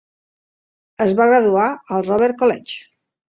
Es va graduar al Robert College.